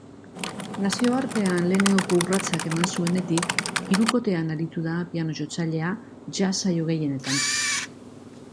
Nazioartean lehenengo urratsak eman zuenetik hirukotean aritu da piano-jotzailea jazz saio gehienetan.